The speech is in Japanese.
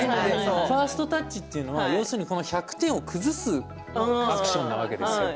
ファーストタッチというのは１００点を崩すアクションなわけです。